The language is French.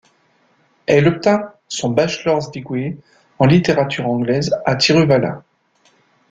Elle obtint son bachelors degree en littérature anglaise à Tiruvalla.